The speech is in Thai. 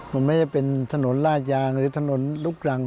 มันไม่ได้เป็นถนนลาดยางหรือถนนลูกรัง